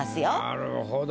なるほど。